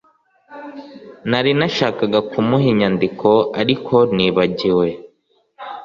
Nari nashakaga kumuha inyandiko ariko nibagiwe